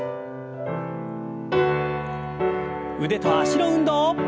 腕と脚の運動。